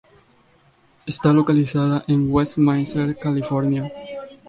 Está localizada en Westminster, California.